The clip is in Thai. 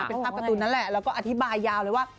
เป็นภาพการ์ตูนนั่นแหละแล้วก็อธิบายยาวเลยว่า